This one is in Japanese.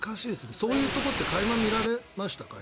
そういうところって垣間見られましたか？